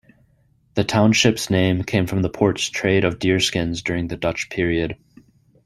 The township's name came from the port's trade of deerskins during the Dutch period.